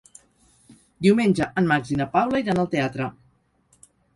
Diumenge en Max i na Paula iran al teatre.